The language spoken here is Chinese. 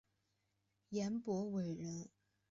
颜伯玮人。